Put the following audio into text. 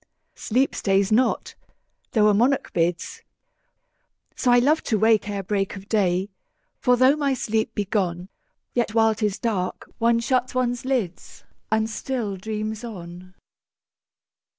10 Sleep stays not, though a monarch bids: So I love to wake ere break of day: For though my sleep be gone, Yet while 'tis dark, one shuts one's lids, And still dreams on.